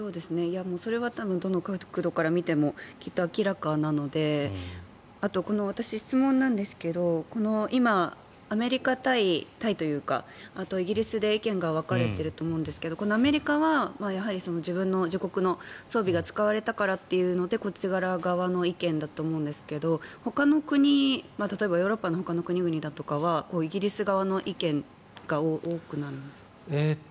それは多分どの角度から見ても明らかなのであとは私、質問なんですが今、アメリカとイギリスで意見が分かれていると思うんですが、アメリカは自国の装備が使われたからっていうのでこっち側の意見だと思うんですが例えば、ヨーロッパのほかの国々だとかはイギリス側の意見が多くなるんですか？